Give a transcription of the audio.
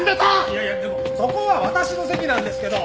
いやいやでもそこは私の席なんですけど。